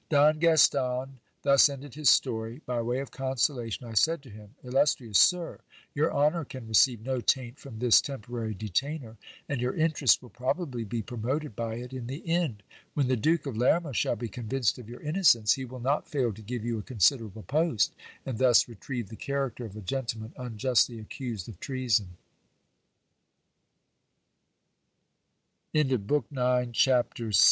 Don Gaston thus ended his story. By way of consolation I said to him, Illustrious sir, your honour can receive no taint from this temporary detainer, and your interest will probably be promoted by it in the end. When the Duke of Lerma shall be convinced of your innocence, he will not fail to give you a coTsiderable post, and thus retrieve the character of a